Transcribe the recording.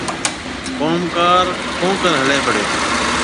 ڪوم ڪار ڪونڪر هليَ پڙيو؟